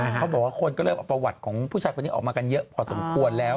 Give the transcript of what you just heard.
เขาบอกว่าคนก็เริ่มเอาประวัติของผู้ชายคนนี้ออกมากันเยอะพอสมควรแล้ว